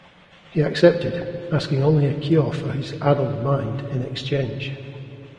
He accepted, asking only a cure for his addled mind in exchange.